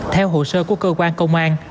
theo hồ sơ của cơ quan công an